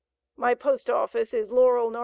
My Post office is Laurel, N.C.